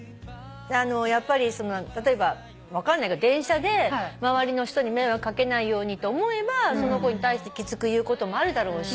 あのやっぱり例えば電車で周りの人に迷惑かけないようにと思えばその子に対してきつく言うこともあるだろうし。